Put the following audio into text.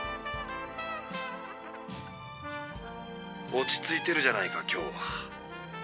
落ち着いてるじゃないか今日は。